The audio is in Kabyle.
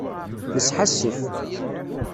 Nesḥassef.